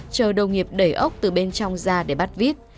chờ đồng nghiệp đẩy ốc từ bên trong ra để bắt vít